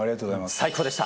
最高でした。